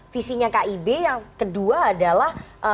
visinya kib yang kedua adalah